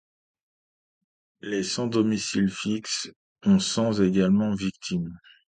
Les sans domicile fixe en sont également victimes.